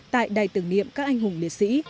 tại đài tưởng niệm các anh hùng liệt sĩ